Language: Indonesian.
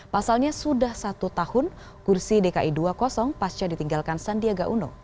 pasalnya sudah satu tahun kursi dki dua pasca ditinggalkan sandiaga uno